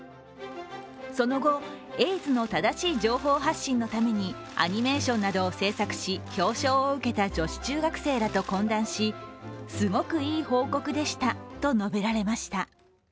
その後、エイズの正しい情報発信のためにアニメーションなどを制作し、表彰を受けた女子中学生らと懇談し、「すごくいい報告でした」と述べられました。